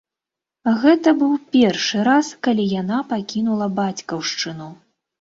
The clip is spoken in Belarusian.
Гэта быў першы раз, калі яна пакінула бацькаўшчыну.